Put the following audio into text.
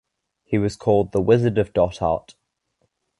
He was called The Wizard of Dot Art.